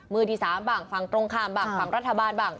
มือที่๓บ้างฝั่งตรงข้ามบ้างฝั่งรัฐบาลบ้าง